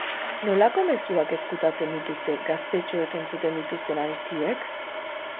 Nolako mezuak ezkutatzen dituzte gaztetxoek entzuten dituzten abestiek?